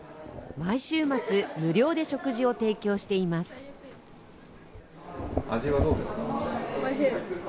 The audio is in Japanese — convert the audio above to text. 毎週末、無料で食事を提供しています。